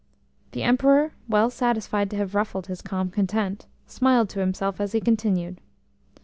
The Emperor, well satisfied to have ruffled his calm content, smiled to himself as he continued.